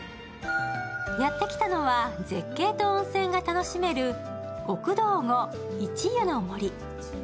やってきたのは、絶景と温泉が楽しめる奥道後壱湯の守。